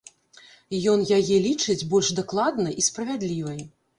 Ён яе лічыць больш дакладнай і справядлівай.